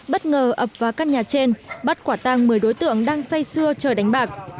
bất ngờ ập vào căn nhà trên bắt quả tăng một mươi đối tượng đang say xưa chờ đánh bạc